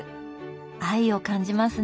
愛を感じますね。